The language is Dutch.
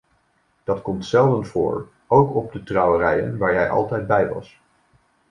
Dat komt zelden voor, ook op de trouwerijen waar jij altijd bij was.